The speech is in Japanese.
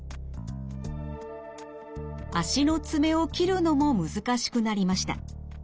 足の爪を切るのも難しくなりました。